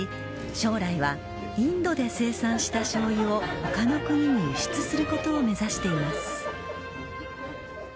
将来はインドで生産したしょうゆを他の国に輸出することを目指しています。